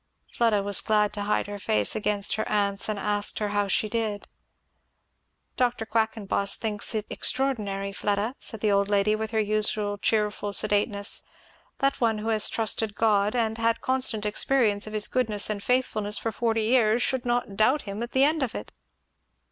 Fleda was glad to hide her face against her aunt's and asked her how she did. "Dr. Quackenboss thinks it extraordinary, Fleda," said the old lady with her usual cheerful sedateness, "that one who has trusted God and had constant experience of his goodness and faithfulness for forty years should not doubt him at the end of it."